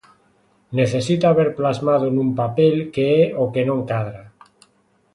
Necesita ver plasmado nun papel que é o que non cadra.